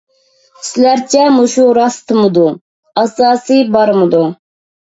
سىلەرچە مۇشۇ راستمىدۇ؟ ئاساسى بارمىدۇ؟